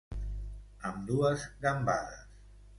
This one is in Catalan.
Amb dues gambades.